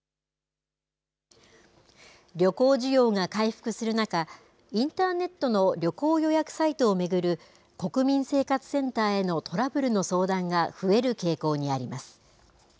旅行需要が回復する中、インターネットの旅行予約サイトを巡る、国民生活センターへのトラブルの相談が増える傾向にあります。